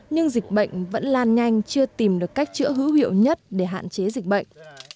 nhưng dịch bệnh vẫn lan nhanh chưa tìm được cách chữa hữu hiệu nhất để hạn chế dịch bệnh